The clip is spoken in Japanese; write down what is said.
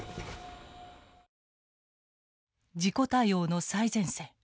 事故対応の最前線。